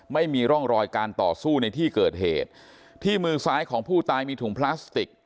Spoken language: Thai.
ไม่มีร่องรอยการต่อสู้ในที่เกิดเหตุที่มือซ้ายของผู้ตายมีถุงพลาสติก